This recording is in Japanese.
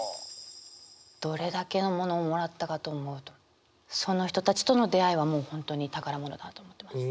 どれだけのものをもらったかと思うとその人たちとの出会いはもう本当に宝物だと思ってます。